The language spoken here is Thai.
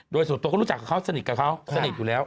โดยส่วนตัวเขารู้จักกับเขาสนิทกับเขาสนิทอยู่แล้ว